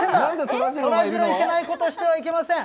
そらジロー、いけないことをしてはいけません。